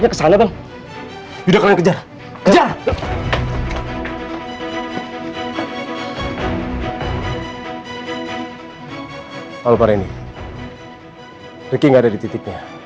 kok teleponnya mati